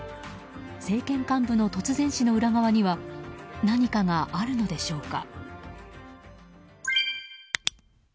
政権幹部の突然死の裏側には何かがあるのでしょうか。